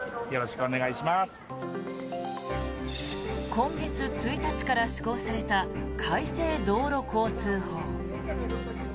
今月１日から施行された改正道路交通法。